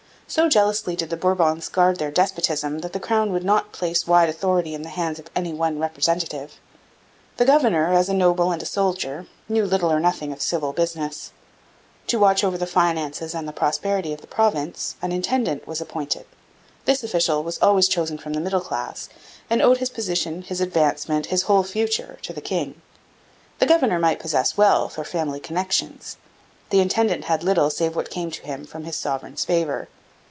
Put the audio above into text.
So jealously did the Bourbons guard their despotism that the crown would not place wide authority in the hands of any one representative. The governor, as a noble and a soldier, knew little or nothing of civil business. To watch over the finances and the prosperity of the province, an intendant was appointed. This official was always chosen from the middle class and owed his position, his advancement, his whole future, to the king. The governor might possess wealth, or family connections. The intendant had little save what came to him from his sovereign's favour.